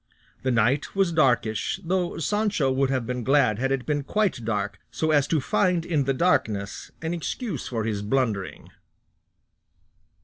The night was darkish, though Sancho would have been glad had it been quite dark, so as to find in the darkness an excuse for his blundering.